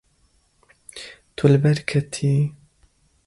Tu li ber ketiyî.